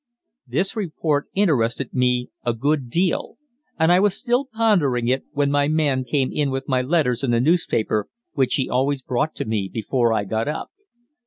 This report interested me a good deal, and I was still pondering it when my man came in with my letters and the newspaper, which he always brought to me before I got up.